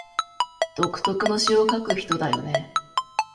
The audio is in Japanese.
独特の詩を書く人だよね